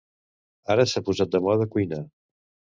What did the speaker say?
Ara s'ha posat de moda cuinar.